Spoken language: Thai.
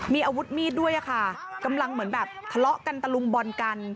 มีอาวุธมีดด้วยอะค่ะกำลังเหมือนแบบทะเลาะกันตะลุมบอลกัน